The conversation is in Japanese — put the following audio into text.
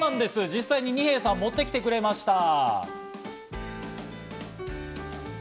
実際に二瓶さんが持ってきてくれました。